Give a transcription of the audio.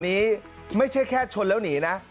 นี้ไม่ใช่แค่ชนแล้วหนีนะ